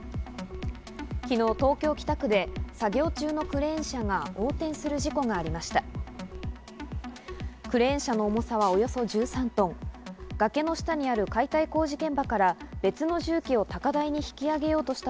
昨日、東京・北区で作業中のクレーン車が横転する事故がありました。